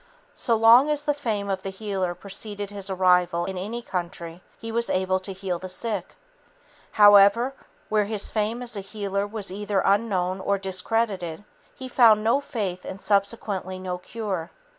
So long as the fame of the healer preceded his arrival in any country, he was able to heal the sick. However, where his fame as a healer was either unknown or discredited, he found no faith and subsequently no cure.